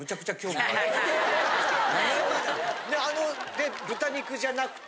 あの豚肉じゃなくて。